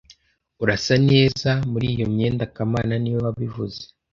Urasa neza muri iyo myenda kamana niwe wabivuze